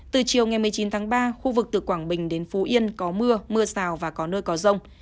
từ chiều ngày một mươi chín tháng ba khu vực từ quảng bình đến phú yên có mưa mưa rào và có nơi có rông